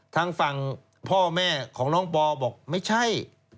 ทางฝั่งพ่อแม่ของน้องปอบอกไม่ใช่